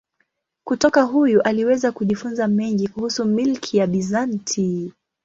Kutoka huyu aliweza kujifunza mengi kuhusu milki ya Bizanti.